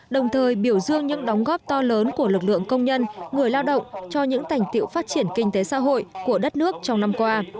đồng thời biểu dương những đóng góp to lớn của lực lượng công nhân người lao động cho những thành tiệu phát triển kinh tế xã hội của đất nước trong năm qua